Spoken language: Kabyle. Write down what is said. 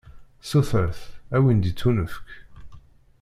Sutret, ad wen-d-ittunefk.